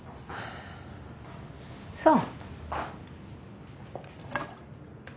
そう。